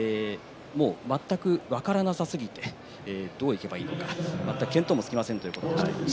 全く分からなさすぎてどういけばいいのか全く検討もつきませんといじわるな質問も